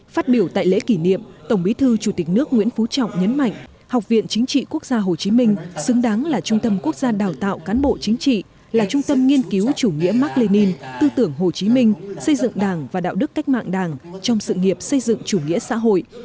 phát biểu tại lễ kỷ niệm tổng bí thư chủ tịch nước nguyễn phú trọng nhấn mạnh học viện chính trị quốc gia hồ chí minh xứng đáng là trung tâm quốc gia đào tạo cán bộ chính trị là trung tâm nghiên cứu chủ nghĩa mark lenin tư tưởng hồ chí minh xây dựng đảng và đạo đức cách mạng đảng trong sự nghiệp xây dựng chủ nghĩa xã hội